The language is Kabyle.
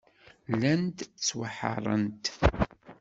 Llant ttwaḥeṛṛent.